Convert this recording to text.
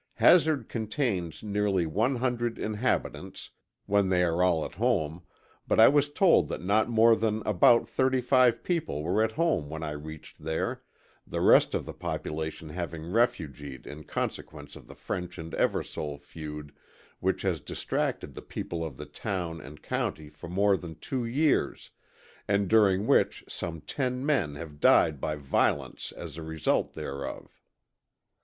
Hazard contains near 100 inhabitants, when they are all at home, but I was told that not more than about thirty five people were at home when I reached there, the rest of the population having refugeed in consequence of the French and Eversole feud which has distracted the people of the town and county for more than two years, and during which some ten men have died by violence as the result thereof.